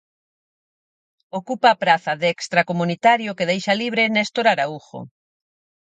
Ocupa a praza de extracomunitario que deixa libre Néstor Araújo.